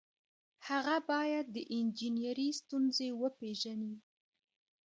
هغه باید د انجنیری ستونزې وپيژني.